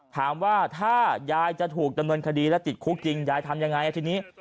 ถามว่าถ้ายายจะถูกดำเนินคดีและติดคุกจริงยายทำยังไงทีนี้